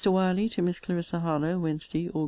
WYERLEY, TO MISS CLARISSA HARLOWE WEDNESDAY, AUG.